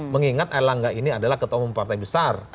mengingat erlangga ini adalah ketua umum partai besar